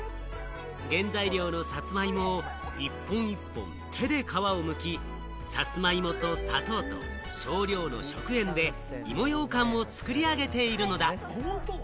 原材料のさつまいもを一本一本、手で皮をむき、さつまいもと砂糖と少量の食塩で芋ようかんを作り上げているのだ。